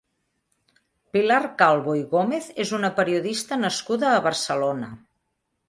Pilar Calvo i Gómez és una periodista nascuda a Barcelona.